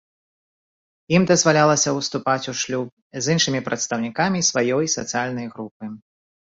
Ім дазвалялася ўступаць у шлюб з іншымі прадстаўнікамі сваёй сацыяльнай групы.